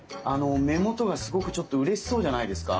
目元がすごくちょっとうれしそうじゃないですか。